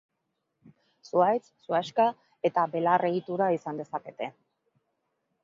Zuhaitz, zuhaixka eta belar egitura izan dezakete.